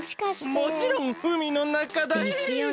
もちろんうみのなかだヒン！ですよね。